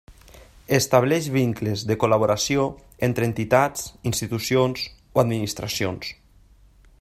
Estableix vincles de col·laboració entre entitats, institucions o administracions.